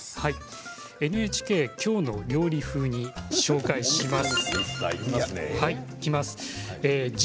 ＮＨＫの「きょうの料理」ふうに紹介します。